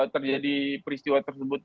terjadi peristiwa tersebut